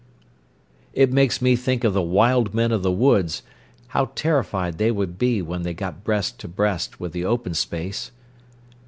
"It makes me think of the wild men of the woods, how terrified they would be when they got breast to breast with the open space."